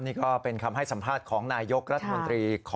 นี่ก็เป็นคำให้สัมภาษณ์ของนายยกรัฐมนตรี